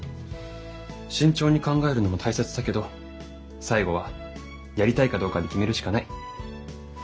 慎重に考えるのも大切だけど最後はやりたいかどうかで決めるしかない。